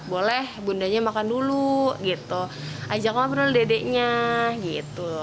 boleh bundanya makan dulu ajaklah dulu dedeknya gitu